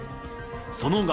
その額